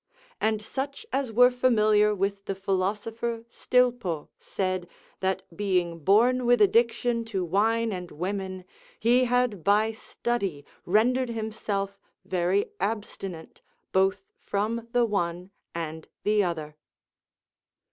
And such as were familiar with the philosopher Stilpo said, that being born with addiction to wine and women, he had by study rendered himself very abstinent both from the one and the other.